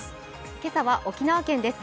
今朝は沖縄県です。